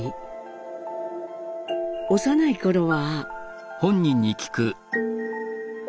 幼い頃は。